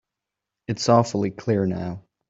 It's awfully clear now.